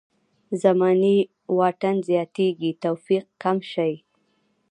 زماني واټن زیاتېږي توفیق کم شي.